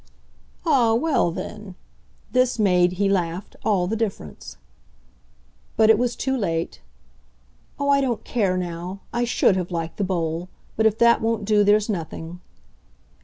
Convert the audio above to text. "Ah well, then !" This made, he laughed, all the difference. But it was too late. "Oh, I don't care now! I SHOULD have liked the Bowl. But if that won't do there's nothing."